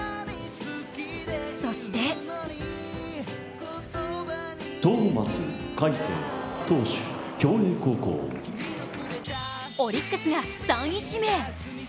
そしてオリックスが３位指名。